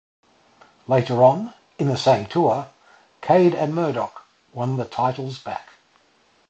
Later on, in that same tour, Cade and Murdoch won the titles back.